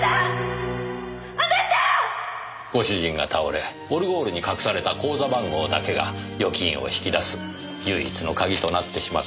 ご主人が倒れオルゴールに隠された口座番号だけが預金を引き出す唯一の鍵となってしまった。